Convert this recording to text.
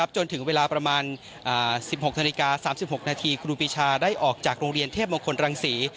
จนถึงเวลาประมาณ๑๖นาฬิกา๓๖นาทีครูปีชาได้ออกจากโรงเรียนเทพมงคลรังศรี